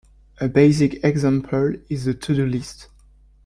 A basic example is the to do list.